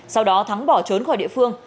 sau đó thắng bỏ trốn khỏi địa phương